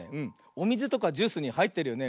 おみずとかジュースにはいってるよね。